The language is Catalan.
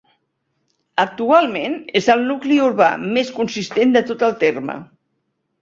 Actualment és el nucli urbà més consistent de tot el terme.